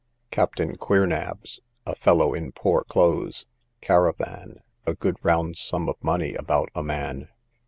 Captain Queernabs, a fellow in poor clothes. Caravan, a good round sum of money about a man.